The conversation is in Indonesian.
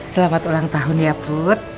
selamat ulang tahun ya bud